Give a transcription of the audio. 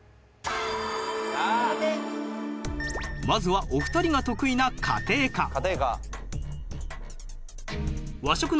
まずはお二人が得意な家庭科。